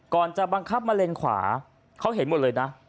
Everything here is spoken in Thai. จะบังคับมาเลนขวาเขาเห็นหมดเลยนะ